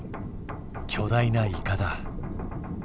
巨大なイカだ。